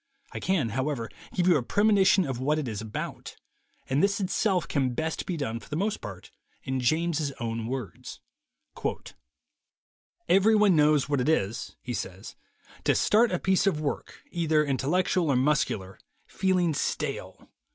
I can, however, give you a premonition of what it is about, and this itself can best be done, for the most part, in James's own words : "Everyone knows what it is," he says, "to start a piece of work, either intellectual or muscular, feeling stale.